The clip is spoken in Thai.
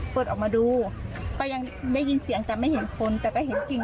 เพราะรู้สาเหตุไหมครับว่าเกิดอะไรขึ้น